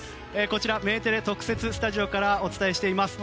こちらメテレ特設スタジオからお伝えしています。